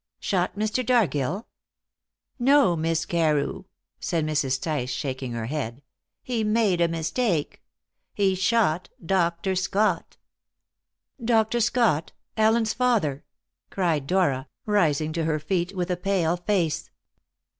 "Shot Mr. Dargill?" "No, Miss Carew," said Mrs. Tice, shaking her head; "he made a mistake. He shot Dr. Scott." "Dr. Scott Allen's father!" cried Dora, rising to her feet with a pale face.